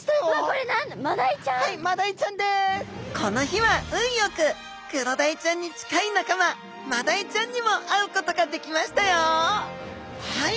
これ何この日は運よくクロダイちゃんに近い仲間マダイちゃんにも会うことができましたよはい。